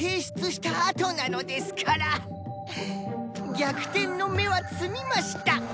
逆転の芽は摘みました！